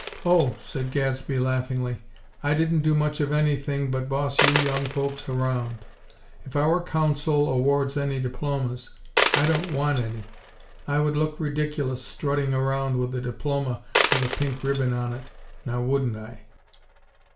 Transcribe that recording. "Oh," said Gadsby laughingly, "I didn't do much of anything but boss you young folks around. If our Council awards any diplomas, I don't want any. I would look ridiculous strutting around with a diploma with a pink ribbon on it, now wouldn't I!"